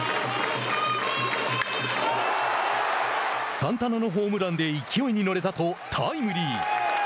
サンタナのホームランで勢いに乗れたとタイムリー。